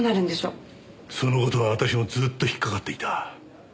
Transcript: その事は私もずっと引っかかっていた。